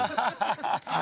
ハハハハ！